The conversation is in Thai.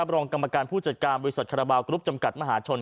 รองกรรมการผู้จัดการบริษัทคาราบาลกรุ๊ปจำกัดมหาชน